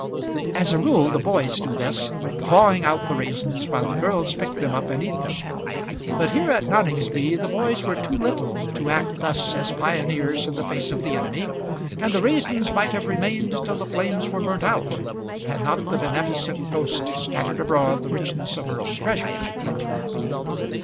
As a rule the boys do this, clawing out the raisins, while the girls pick them up and eat them. But here at Noningsby the boys were too little to act thus as pioneers in the face of the enemy, and the raisins might have remained till the flames were burnt out, had not the beneficent ghost scattered abroad the richness of her own treasures.